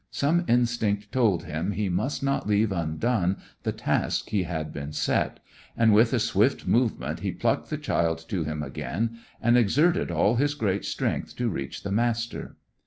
Some instinct told him he must not leave undone the task he had been set, and with a swift movement he plucked the child to him again, and exerted all his great strength to reach the Master.